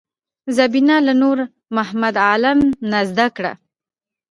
زینبه له نورمحمد عالم نه زده کړه.